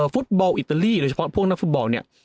ฟุตบอลอิตาลีโดยเฉพาะพวกนักฟุตบอลเนี่ย